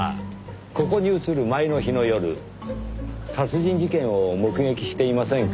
ここに移る前の日の夜殺人事件を目撃していませんか？